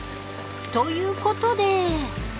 ［ということで］